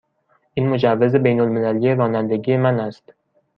این مجوز بین المللی رانندگی من است.